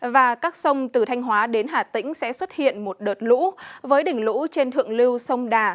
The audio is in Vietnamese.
và các sông từ thanh hóa đến hà tĩnh sẽ xuất hiện một đợt lũ với đỉnh lũ trên thượng lưu sông đà